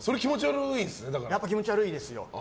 やっぱ気持ち悪いですよ